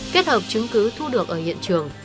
kết hợp chứng cứ thu được ở hiện trường